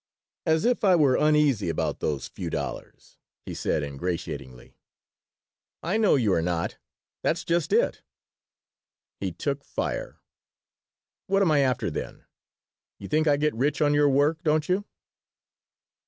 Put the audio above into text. "As if I were uneasy about those few dollars!" he said, ingratiatingly "I know you are not. That's just it." He took fire. "What am I after, then? You think I get rich on your work, don't you?"